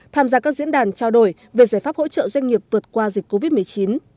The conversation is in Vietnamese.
tham gia các diễn đàn trao đổi về giải pháp hỗ trợ doanh nghiệp vượt qua dịch covid một mươi chín